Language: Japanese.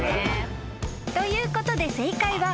［ということで正解は］